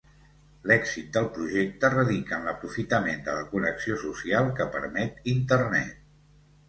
L'èxit del projecte radica en l'aprofitament de la connexió social que permet Internet.